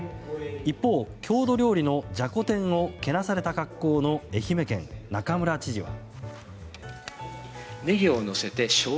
一方、郷土料理のじゃこ天をけなされた格好の愛媛県・中村知事は。